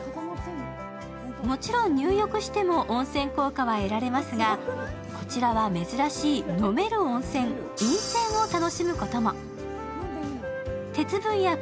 もちろん、入浴しても温泉効果は得られますが、こちらは珍しい飲める温泉、飲泉を楽しむことも。